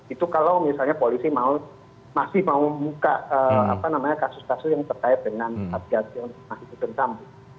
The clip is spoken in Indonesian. itu kalau misalnya polisi masih mau membuka kasus kasus yang terkait dengan satgas yang masih ditentang